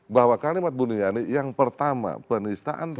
bahwa kalimat bu buniyani yang pertama penista antara